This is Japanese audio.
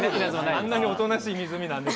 あんなにおとなしい湖なんで。